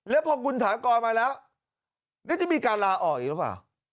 แล้วพอคุณถากรมาแล้วแล้วจะมีการลาออกอีกหรือเปล่า